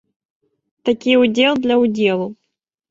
Такі ўдзел для ўдзелу.